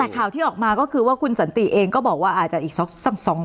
แต่ข่าวที่ออกมาก็คือว่าคุณสันติเองก็บอกว่าอาจจะอีกสัก๒๓